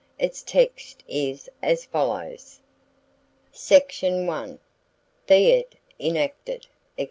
Its text is as follows: Section I. Be it enacted, &c.